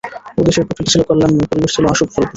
এ দেশের প্রকৃতি ছিল কল্যাণময়ী, পরিবেশ ছিল আশু ফলপ্রসূ।